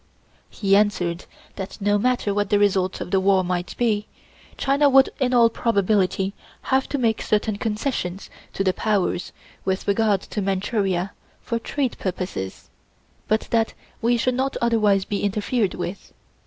He answered that no matter what the result of the war might be, China would in all probability have to make certain concessions to the Powers with regard to Manchuria for trade purposes, but that we should not otherwise be interfered with.